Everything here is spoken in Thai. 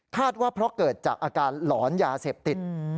ว่าเพราะเกิดจากอาการหลอนยาเสพติด